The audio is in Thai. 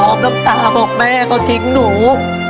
น้ำตาบอกแม่เขาทิ้งหนู